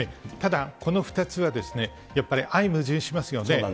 ただ、この２つは、やっぱり相矛盾しますよね。